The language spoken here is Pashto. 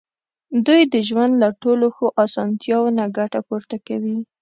دوی د ژوند له ټولو ښو اسانتیاوو نه ګټه پورته کوي.